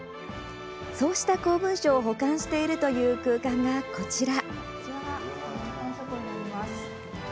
そうした公文書を保管しているという空間が、こちら。